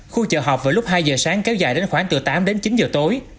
khu chợ họp vào lúc hai giờ sáng kéo dài đến khoảng từ tám đến chín giờ tối